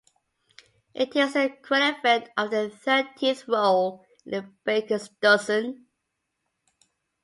It is the equivalent of the thirteenth roll in a baker's dozen.